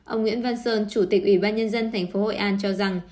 ông nguyễn văn sơn chủ tịch ủy ban nhân dân tp hội an cho rằng